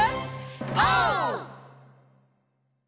オー！